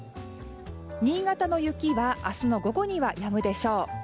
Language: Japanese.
新潟の雪は明日の午後にはやむでしょう。